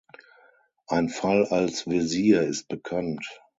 Ein Fall als Wesir ist bekannt.